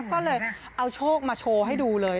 ก็เลยเอาโชคมาโชว์ให้ดูเลย